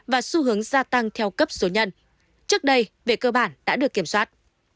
và xu hướng gia tăng theo cấp số nhân trước đây về cơ bản đã được kiểm soát